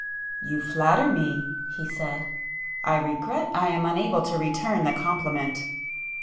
"You flatter me!" he said—"I regret I am unable to return the compliment!"